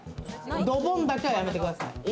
ドボンだけは、やめてください。